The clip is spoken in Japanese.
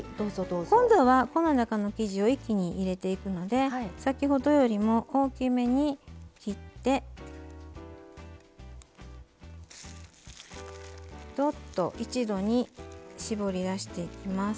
今度は、この中の生地を一気に入れていくので先ほどよりも大きめに切ってどっと一度に絞り出していきます。